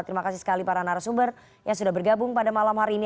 terima kasih sekali para narasumber yang sudah bergabung pada malam hari ini